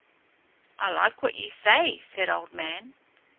"I like what you say," said Old Man.